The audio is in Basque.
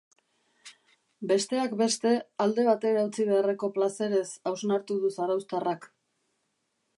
Besteak beste, alde batera utzi beharreko plazerez hausnartu du zarauztarrak.